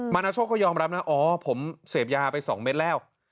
มานาโชคก็ยอมรับนะโอ้วผมเสพยาก๊ะไปสองเม็ดแล้ว